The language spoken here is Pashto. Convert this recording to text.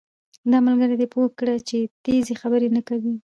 دا ملګری دې پوهه کړه چې تېزي خبرې نه کوي